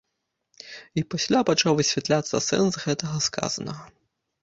І пасля пачаў высвятляцца сэнс гэтага сказанага.